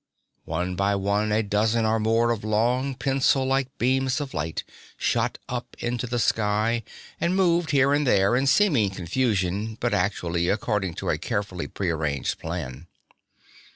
One by one a dozen or more of long, pencil like beams of light shot up into the sky and moved here and there in seeming confusion, but actually according to a carefully prearranged plan.